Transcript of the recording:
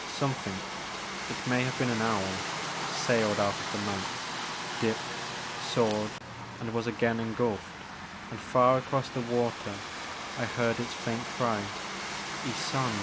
Something — it may have been an owl — sailed out of the night, dipped, soared, and was again engulfed, and far across the water I heard its faint cry, Ysonde.